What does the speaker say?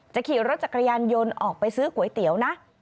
ขี่รถจักรยานยนต์ออกไปซื้อก๋วยเตี๋ยวนะ